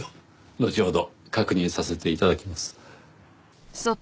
のちほど確認させて頂きます。